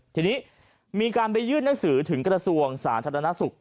ทีนี้มีการไปยื่นหนังสือถึงกระทรวงสาธารณสุข